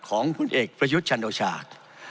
ของพลเอกประยุทธชาติ